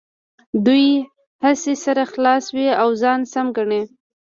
دوی هسې سر خلاصوي او ځان سم ګڼي.